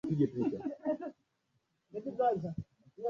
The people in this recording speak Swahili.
Serikali ijipambanue juu ya sera ya Uchumi wa Buluu